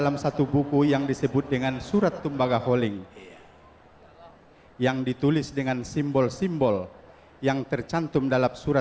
tentang prosesi ini saya ingin mengucapkan kepada anda